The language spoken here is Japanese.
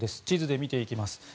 地図で見ていきます。